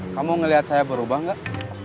kamu ngeliat saya berubah gak